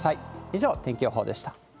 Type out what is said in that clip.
以上、天気予報でした。